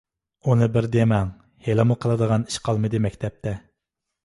ئۇنى بىر دېمەڭ، ھېلىمۇ قىلىدىغان ئىش قالمىدى مەكتەپتە.